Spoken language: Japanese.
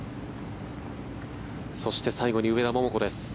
そして最後に上田桃子です。